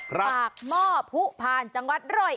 ครับปากหม้อผู้ผ่านจังหวัด๑๐๐เอ็ดด้วยค่ะ